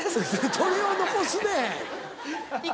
どれを残すねん。